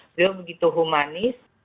beliau begitu humanis